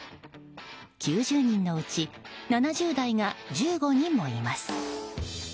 ９０人のうち７０代が１５人もいます。